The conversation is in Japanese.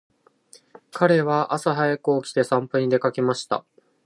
彼は朝早く起きて散歩に出かけました。